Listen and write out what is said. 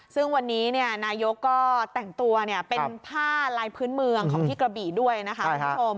ซึ่งวันนี้นายกก็แต่งตัวเป็นผ้าลายพื้นเมืองของที่กระบี่ด้วยนะคะคุณผู้ชม